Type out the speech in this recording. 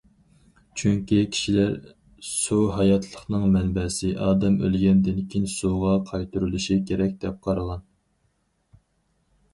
چۈنكى كىشىلەر« سۇ ھاياتلىقنىڭ مەنبەسى، ئادەم ئۆلگەندىن كېيىن سۇغا قايتۇرۇلۇشى كېرەك» دەپ قارىغان.